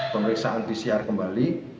pemeriksaan pcr kembali